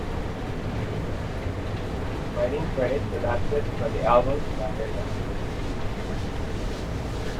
Writing credits adapted from the album's liner notes.